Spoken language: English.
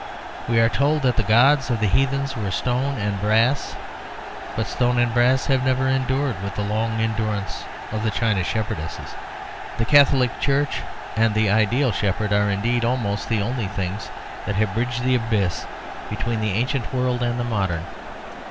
We are told that the gods of the heathen were stone and brass, but stone and brass have never endured with the long endurance of the China Shepherdess. The Catholic Church and the Ideal Shepherd are indeed almost the only things that have bridged the abyss between the ancient world and the modern.